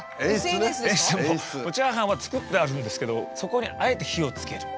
もうチャーハンは作ってあるんですけどそこにあえて火をつける。